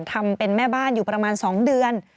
ทำเป็นแม่บ้านอยู่ประมาณ๒เดือน